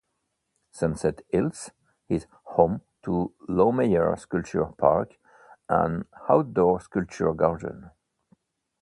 Sunset Hills is home to Laumeier Sculpture Park, an outdoor sculpture garden.